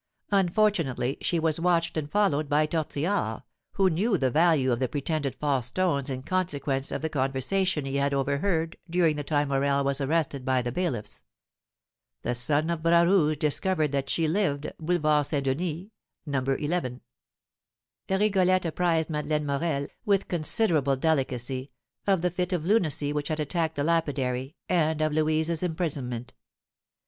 Unfortunately she was watched and followed by Tortillard, who knew the value of the pretended false stones in consequence of the conversation he had overheard during the time Morel was arrested by the bailiffs. The son of Bras Rouge discovered that she lived, Boulevard Saint Denis, No. 11. Rigolette apprised Madeleine Morel, with considerable delicacy, of the fit of lunacy which had attacked the lapidary, and of Louise's imprisonment.